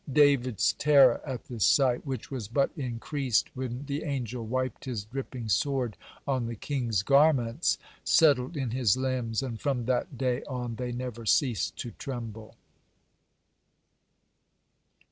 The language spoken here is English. David's terror at this sight, which was but increased when the angel wiped his dripping sword on the king's garments, settled in his limbs, and from that day on they never ceased to tremble.